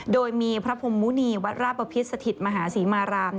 โดยมีพระพุมมูนีวัดราปภิษฐิตรมหาศรีมาราม